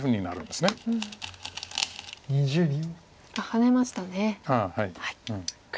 ハネましたね。